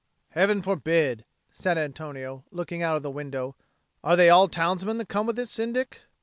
"Heaven forbid!" said Antonio, looking out of the window. "Are they all townsmen that come with this Syndic?"